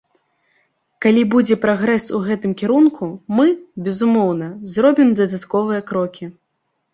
Калі будзе прагрэс у гэтым кірунку, мы, безумоўна, зробім дадатковыя крокі.